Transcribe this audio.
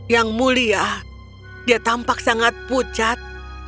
yang mulia dia tampak sangat pucat